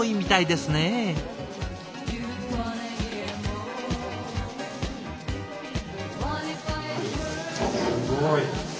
すごい！